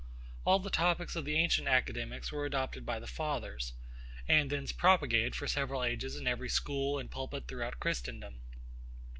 All the topics of the ancient academics were adopted by the fathers; and thence propagated for several ages in every school and pulpit throughout Christendom.